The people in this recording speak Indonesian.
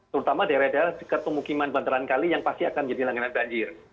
terutama daerah daerah dekat pemukiman bantaran kali yang pasti akan menjadi langganan banjir